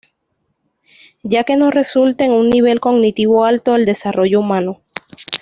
Ya que no resulta en un nivel cognitivo alto del desarrollo humano.